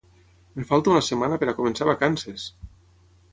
Em falta una setmana per a començar vacances!